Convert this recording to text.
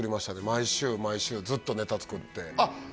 毎週毎週ずっとネタ作ってあっ！